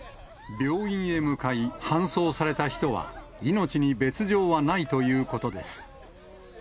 病院へ向かい、搬送された人は、命に別状はないということです。